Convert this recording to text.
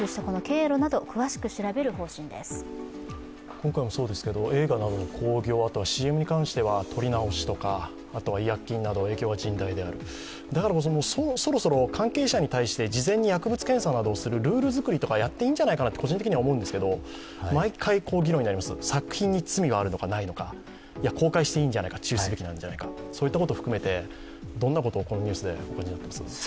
今回もそうですけど、映画などの興行、あとＣＭに関しては撮り直しとか、違約金など影響が甚大であるだからこそ、そろそろ関係者に対して事前に薬物検査などをするルール作りとかやっていいんじゃないかなと個人的には思うんですけど、毎回、議論になります作品に罪があるかないか公開していいんじゃないか、中止すべきなんじゃないか、そういったことを含めてどんなことをこのニュースで感じますか。